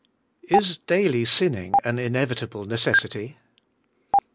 IS DAILY SINNING AN INEVITABLE NECESSITY?